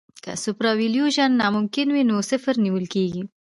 که سوپرایلیویشن ناممکن وي نو صفر نیول کیږي